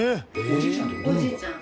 おじいちゃん。